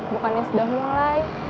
bukannya sudah mulai